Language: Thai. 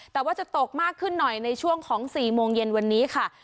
แต่ว่าจะตกมากขึ้นหน่อยในช่วงของ๔โมงเย็นวันนี้ค่ะ